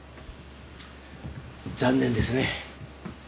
残念ですね。